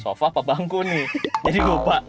sofa pak bangku nih jadi lupa